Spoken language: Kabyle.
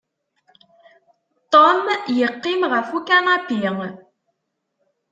Tom yeqqim ɣef ukanapi.